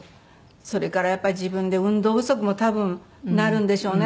それからやっぱり自分で運動不足も多分なるんでしょうね。